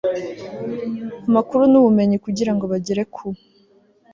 amakuru n ubumenyi kugira ngo bagere ku